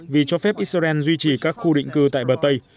vì cho phép israel duy trì các khu định cư tại bờ tây